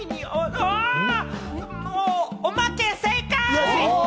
もうおまけ、正解！